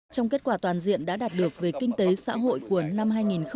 trong kết quả toàn diện đã đạt được về kinh tế xã hội của năm hai nghìn một mươi tám